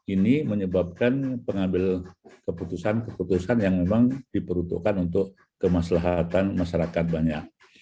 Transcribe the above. ini menyebabkan pengambil keputusan keputusan yang memang diperuntukkan untuk kemaslahatan masyarakat banyak